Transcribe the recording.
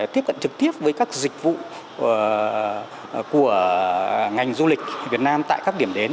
tiếp cận trực tiếp với các dịch vụ của ngành du lịch việt nam tại các điểm đến